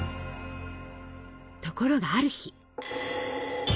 ところがある日。